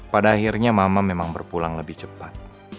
pada akhirnya mama memang berpulang lebih cepat